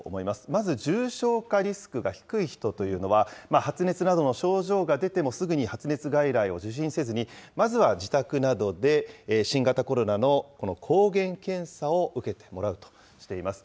まず重症化リスクが低い人というのは、発熱などの症状が出てもすぐに発熱外来を受診せずに、まずは自宅などで新型コロナの抗原検査を受けてもらうとしています。